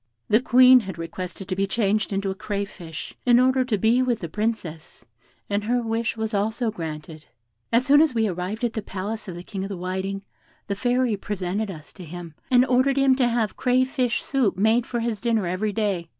The Queen had requested to be changed into a crayfish, in order to be with the Princess, and her wish was also granted. "As soon as we arrived at the palace of the King of the Whiting, the Fairy presented us to him, and ordered him to have crayfish soup made for his dinner every day.